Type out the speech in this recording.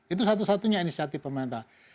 itu satu satunya inisiatif pemerintah